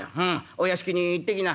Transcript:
お屋敷に行ってきな」。